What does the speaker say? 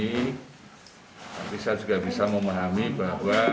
tapi saya juga bisa memahami bahwa